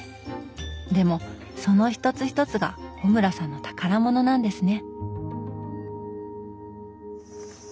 でもその一つ一つが穂村さんの宝物なんですね。